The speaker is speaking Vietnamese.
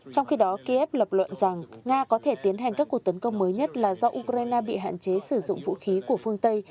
trong khi đó kiev lập luận rằng nga có thể tiến hành các cuộc tấn công mới nhất là do ukraine bị hạn chế sử dụng vũ khí của phương tây